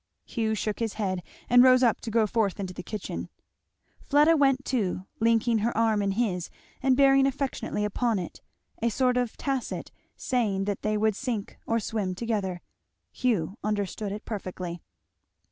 Hugh shook his head, and rose up to go forth into the kitchen. Fleda went too, linking her arm in his and bearing affectionately upon it, a sort of tacit saying that they would sink or swim together. Hugh understood it perfectly.